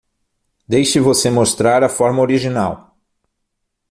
Deixe você mostrar a forma original!